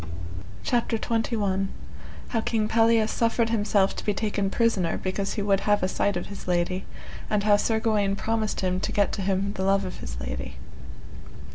CHAPTER XXI. How King Pelleas suffered himself to be taken prisoner because he would have a sight of his lady, and how Sir Gawaine promised him to get to him the love of his lady.